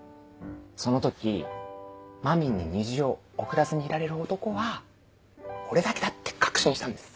その時まみんに虹を送らずにいられる男は俺だけだって確信したんです。